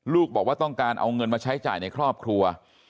บอกว่าต้องการเอาเงินมาใช้จ่ายในครอบครัว